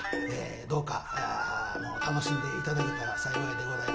どうか楽しんでいただけたら幸いでございます。